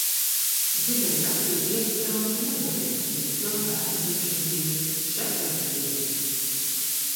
Gribēju rakstīt dienasgrāmatu nedēļu un iekļaut bērna dzimšanas dienu. Še tev nu bija.